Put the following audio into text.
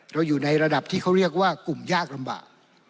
อยู่ในระดับที่เขาเรียกว่ากลุ่มยากลำบาก